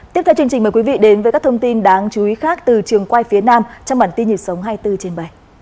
tiếp theo chương trình mời quý vị đến với các thông tin đáng chú ý khác từ trường quay phía nam trong bản tin nhịp sống hai mươi bốn trên bảy